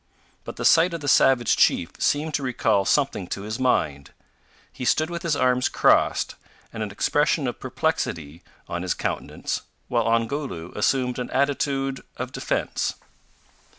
But the sight of the savage chief seemed to recall something to his mind. He stood with his arms crossed, and an expression of perplexity on his countenance, while Ongoloo assumed an attitude of defence.